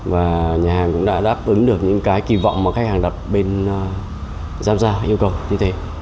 và nhà hàng cũng đã đáp ứng được những kỳ vọng mà khách hàng đặt bên giamgia yêu cầu như thế